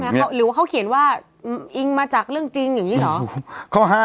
หรือว่าเขาเขียนว่าอิงมาจากเรื่องจริงอย่างนี้เหรอ